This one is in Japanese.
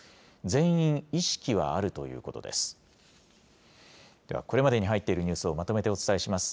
全員、意識はあるということです。